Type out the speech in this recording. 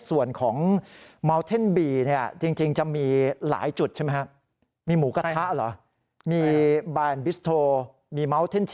ส่วนของเนี้ยจริงจริงจะมีหลายจุดใช่ไหมฮะมีหมูกระทะเหรอมีมี